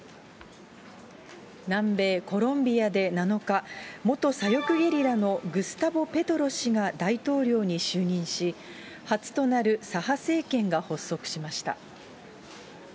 南米コロンビアで７日、元左翼ゲリラのグスタボ・ペトロ氏が大統領に就任し、初となる左派政権が発足しました。